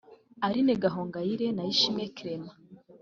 Aline Gahongayire na Ishimwe Clement